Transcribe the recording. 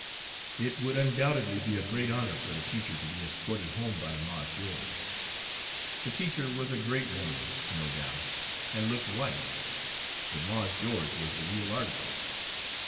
It would undoubtedly be a great honor for the teacher to be escorted home by Mars Geo'ge. The teacher was a great woman, no doubt, and looked white; but Mars Geo'ge was the real article.